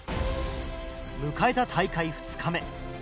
迎えた大会２日目。